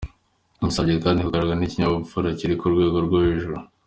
Yabasabye kandi kuzarangwa n’ikinyabupfura kiri ku rwego rwo hejuru.